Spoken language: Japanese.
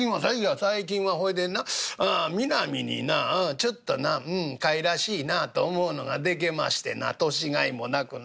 「最近はほいでなミナミになちょっとなかわいらしいなあと思うのがでけましてな年甲斐もなくな。